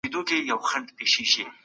خو ستا غمونه مي پريږدي